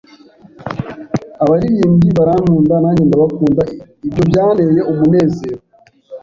abaririmbyi barankunda nanjye ndabakunda ibyo byanteye umunezero